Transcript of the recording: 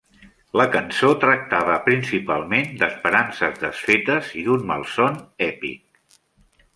La cançó tractava principalment d'"esperances desfetes" i d'"un malson èpic".